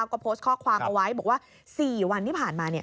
ก็โพสต์ข้อความเอาไว้บอกว่า๔วันที่ผ่านมา